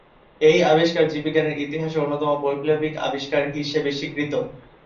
এই আবিষ্কার জীববিজ্ঞানের ইতিহাসে অন্যতম বৈপ্লবিক আবিষ্কার হিসেবে স্বীকৃত।